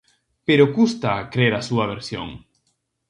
Pero custa crer a súa versión.